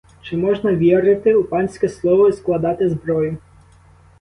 Чи можна вірити у панське слово і складати зброю?